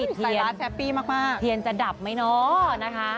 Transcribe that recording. สายรัสแซปปี้มากเทียนจะดับหรือนะคะ